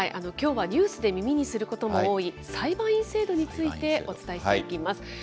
きょうはニュースで耳にすることも多い、裁判員制度についてお伝えしていきます。